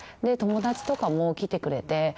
で友達とかも来てくれて。